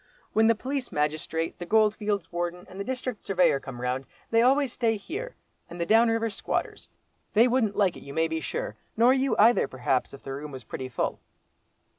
When the police magistrate, the Goldfields Warden, and the District Surveyor come round, they always stay here, and the down river squatters. They wouldn't like it, you may be sure, nor you either, perhaps, if the room was pretty full."